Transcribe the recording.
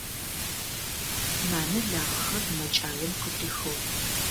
Нанэ лагъэхэр мэкӀаем къытрихыгъ.